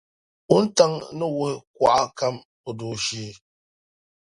Wuntaŋa ni wuhi kɔha kam o dooshee.